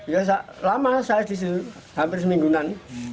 ya lama saya di hampir seminggunan